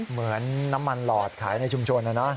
เหมือนน้ำมันหลอดขายในชุมชนนะนะ